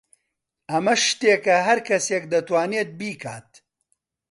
ئەمە شتێکە هەر کەسێک دەتوانێت بیکات.